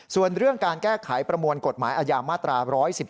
ส่วนเรื่องการแก้ไขประมวลกฎหมายอาญามาตรา๑๑๒